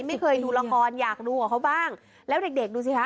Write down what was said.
ไม่เคยดูละครอยากดูกับเขาบ้างแล้วเด็กเด็กดูสิคะ